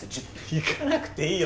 いかなくていいよ